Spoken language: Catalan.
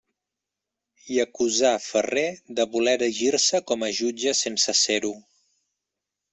I acusà Ferrer de voler erigir-se com a jutge sense ser-ho.